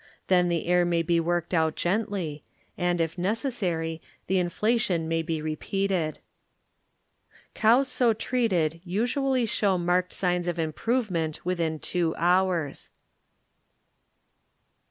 Then the air may be worked out gently, and, if necessary, the inflation may be re peated. Cows so treated usually show marked signs of improvement within two hours.